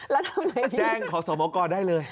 แล้วทำไมแจ้งขอสมกรได้เลย